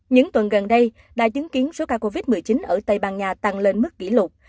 những tuần gần đây đã chứng kiến số ca covid một mươi chín ở tây ban nha tăng lên mức kỷ lục